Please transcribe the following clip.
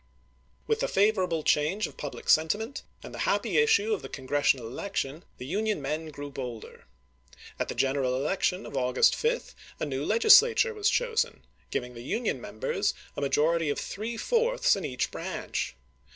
With the favorable change of public sentiment, and the happy issue of the Congressional election, the Union men grew bolder. At the general elec 240 ABKAHAM LINCOLN Chap. XII. tiou of August 5 a iiGW Legislature was chosen, giving the Union members a majority of three fourths in each branch.